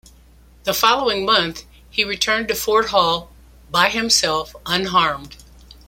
The following month he returned to Fort Hall by himself unharmed.